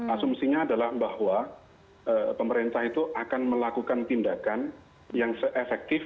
asumsinya adalah bahwa pemerintah itu akan melakukan tindakan yang se efektif